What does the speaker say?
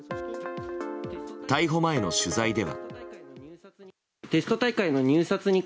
逮捕前の取材では。